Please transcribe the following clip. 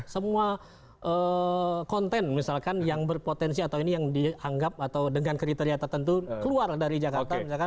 semua konten misalkan yang berpotensi atau ini yang dianggap atau dengan kriteria tertentu keluar dari jakarta